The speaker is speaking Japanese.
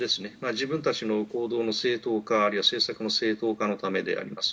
自分たちの行動の正当化あるいは政策の正当化のためです。